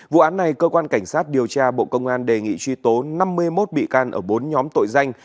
vụ án này cơ quan cảnh sát điều tra bộ công an đề nghị truy tố năm mươi một bị can ở bốn nhóm tội danh